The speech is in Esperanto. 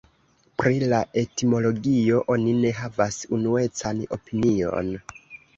Pri la etimologio oni ne havas unuecan opinion.